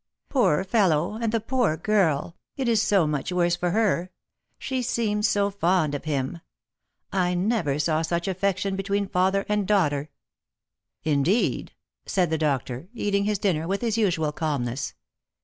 "Poor fellow! And the poor girl; it is so much worse for her. She seems so fond of him. I never saw such affection be tween father and daughter." " Indeed !" said the doctor, eating his dinner with his usual calmness.